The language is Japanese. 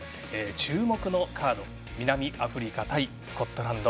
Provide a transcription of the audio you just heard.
注目のカード南アフリカ対スコットランド